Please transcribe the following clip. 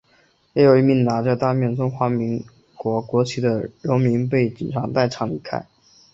也有一名拿着大面中华民国国旗的荣民被警察带离现场。